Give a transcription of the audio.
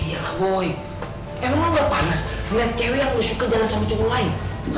emang enggak panas lihat cewek yang suka jalan sama cowok lain